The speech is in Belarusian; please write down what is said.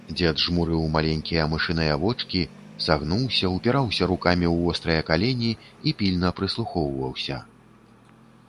Дзед жмурыў маленькія мышыныя вочкі, сагнуўся, упіраўся рукамі ў вострыя калені і пільна прыслухоўваўся.